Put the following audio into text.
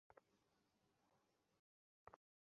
তবে সেই মেয়ে বাবার আবেগ, আদর, ভালোবাসা সেভাবে বুঝতে পারে না।